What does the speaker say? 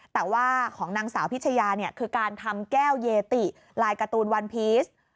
แต่ว่าของนางสาวพิชยาเนี่ยคือการทำแก้วเยติลายการ์ตูนวันพีช